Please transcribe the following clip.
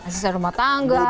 sisa rumah tangga pengundi